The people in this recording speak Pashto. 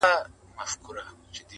ستا له خندا نه الهامونه د غزل را اوري~